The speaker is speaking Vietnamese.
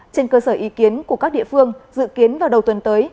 trên cơ sở ý kiến của các địa phương dự kiến vào đầu tuần tới